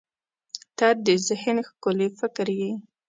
• ته د ذهن ښکلي فکر یې.